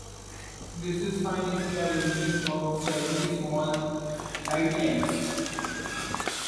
This is fine if you're using a fairly small, light lens.